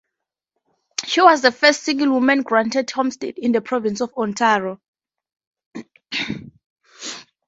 She was the first single woman granted homestead in the province of Ontario.